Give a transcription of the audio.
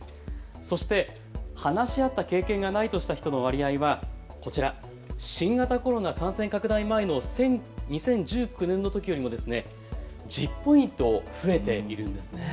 そして話し合った経験がないとした人の割合はこちら、新型コロナ感染拡大前の２０１９年のときよりも１０ポイント増えているんです。